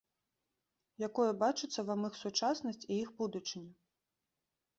Якою бачыцца вам іх сучаснасць і іх будучыня?